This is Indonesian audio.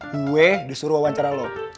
gue disuruh wawancara lo